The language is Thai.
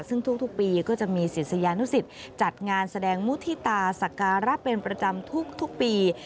ซึ่งทุกปีก็จะมีศิษยานุสิตจัดงานแสดงมุฒิตาสักการะเป็นประจำทุกปี